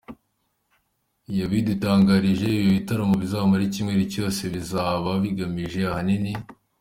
yabidutangarije, ibi bitaramo bizamara icyumweru cyose bizaba bigamije ahanini.